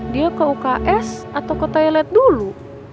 dia ke uks atau ke toilet dulu